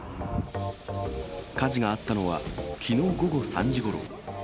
火事があったのは、きのう午後３時ごろ。